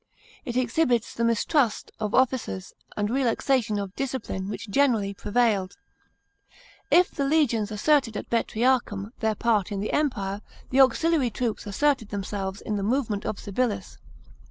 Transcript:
It exhibits the mistrust of officers and relaxation of discipline which generally prevailed. If the legions asserted at Betriacum their part in the Empire, the auxiliary troops asserted themselves in the movement of Civilis.